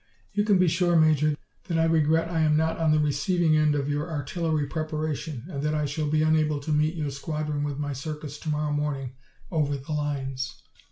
"You can be sure, Major, that I regret I am not on the receiving end of your artillery preparation and that I shall be unable to meet your squadron with my Circus to morrow morning over the lines."